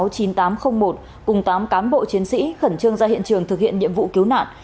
cùng tám cán bộ chiến sĩ khẩn trương ra hiện trường thực hiện nhiệm vụ cứu nạn